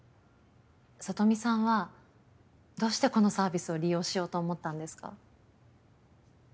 サトミさんはどうしてこのサービスを利用しようと思ったんですか？